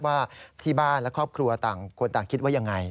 ว่าที่บ้านและครอบครัวต่างคนต่างคิดว่ายังไง